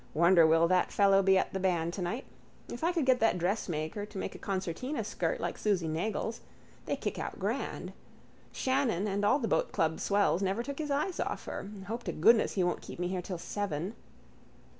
Wonder will that fellow be at the band tonight. If I could get that dressmaker to make a concertina skirt like Susy Nagle's. They kick out grand. Shannon and all the boatclub swells never took his eyes off her. Hope to goodness he won't keep me here till seven.